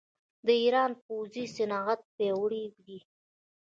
د ایران پوځي صنعت پیاوړی دی.